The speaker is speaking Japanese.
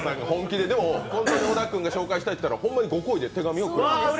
本当に小田君が紹介したいって言ったら、ホンマにご厚意で手紙をくれました。